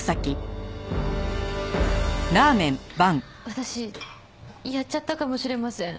私やっちゃったかもしれません。